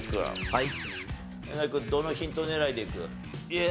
はい。